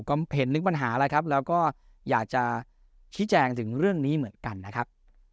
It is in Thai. ก็เห็นนึกปัญหาแล้วครับแล้วก็อยากจะชี้แจงถึงเรื่องนี้เหมือนกันนะครับ